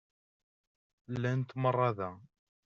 Llant meṛṛa da.